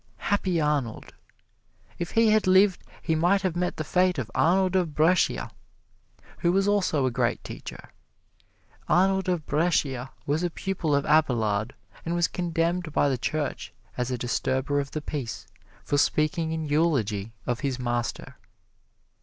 Happy Arnold! If he had lived, he might have met the fate of Arnold of Brescia, who was also a great teacher. Arnold of Brescia was a pupil of Abelard, and was condemned by the Church as a disturber of the peace for speaking in eulogy of his master.